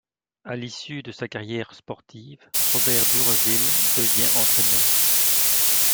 À l'issue de sa carrière sportive, Robert Dureville devient entraîneur.